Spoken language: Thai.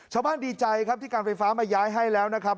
ดีใจครับที่การไฟฟ้ามาย้ายให้แล้วนะครับ